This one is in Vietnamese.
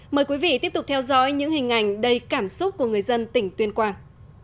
mời quý vị tiếp tục theo dõi những hình ảnh đầy cảm xúc của người dân tỉnh tuyên quang